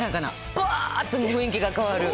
ぱーっと雰囲気が変わる。